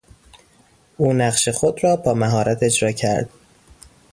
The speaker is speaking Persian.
او نقش خود را با مهارت اجرا کرد.